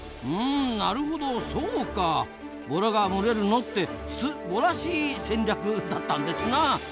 うんなるほどそうか！ボラが群れるのってすボラしい戦略だったんですな！